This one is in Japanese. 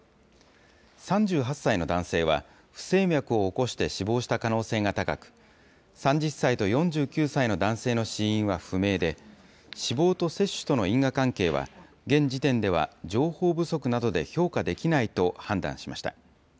３８歳の男性は、不整脈を起こして死亡した可能性が高く、３０歳と４９歳の男性の死因は不明で、死亡と接種との因果関係は、現時点では情報不足などで評価できないと判断しました。